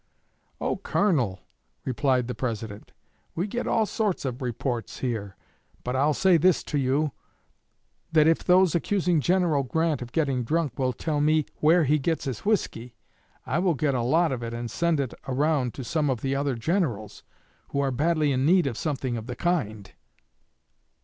"Oh, Colonel," replied the President, "we get all sorts of reports here, but I'll say this to you: that if those accusing General Grant of getting drunk will tell me where he gets his whiskey, I will get a lot of it and send it around to some of the other Generals, who are badly in need of something of the kind."